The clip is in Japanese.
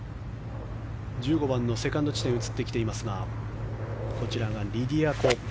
１５番のセカンド地点に移ってきていますがこちらがリディア・コ。